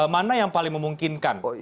mana yang paling memungkinkan